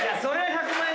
１００万円。